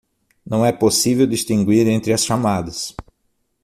Não é possível distinguir entre as chamadas